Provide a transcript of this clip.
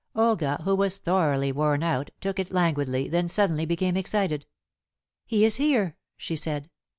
Olga, who was thoroughly worn out, took it languidly, then suddenly became excited. "He is here!" she said.